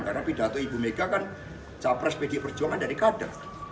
karena pidato ibu mega kan capres pd perjuangan dari kader